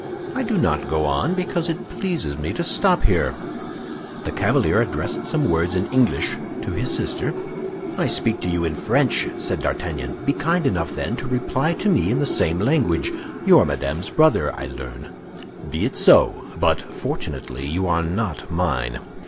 "I do not go on because it pleases me to stop here." The cavalier addressed some words in English to his sister. "I speak to you in French," said D'Artagnan; "be kind enough, then, to reply to me in the same language. You are Madame's brother, I learn—be it so; but fortunately you are not mine."